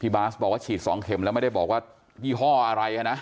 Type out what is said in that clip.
บาสบอกว่าฉีด๒เข็มแล้วไม่ได้บอกว่ายี่ห้ออะไรนะ